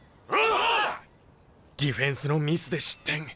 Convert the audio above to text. ディフェンスのミスで失点。